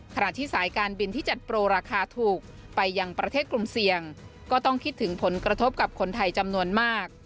ขณะที่สายการบินที่จัดโปรราคาถูกไปยังประเทศกลุ่มเสี่ยงก็ต้องคิดถึงผลกระทบกับคนไทยจำนวนมาก